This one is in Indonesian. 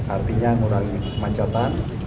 artinya mengurangi mancatan